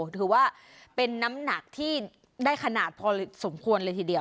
ถือว่าเป็นน้ำหนักที่ได้ขนาดพอสมควรเลยทีเดียว